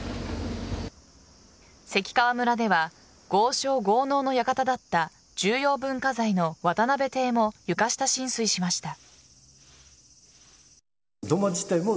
関川村では豪商豪農の館だった重要文化財の渡邉邸も床下浸水しました。